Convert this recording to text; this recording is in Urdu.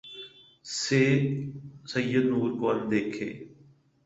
سے سید نور کو ان دیکھے